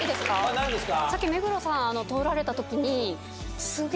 何ですか？